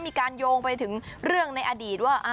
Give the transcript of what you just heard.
มีการโยงไปถึงเรื่องในอดีตว่า